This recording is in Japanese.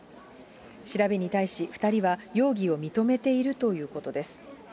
調べに対し、２人は容疑を認めているということです。